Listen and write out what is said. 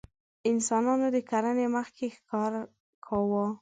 انسانانو د کرنې مخکې ښکار کاوه.